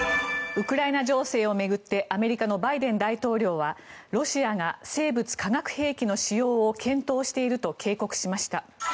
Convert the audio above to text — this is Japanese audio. ウクライナ情勢を巡ってアメリカのバイデン大統領はロシアが生物・化学兵器の使用を検討していると警告しました。